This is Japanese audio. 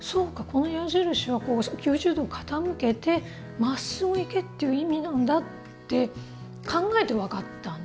この矢印は９０度傾けてまっすぐ行けっていう意味なんだ」って考えて分かったんですよ。